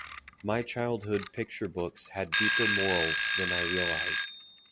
My childhood picture books had deeper morals than I realized.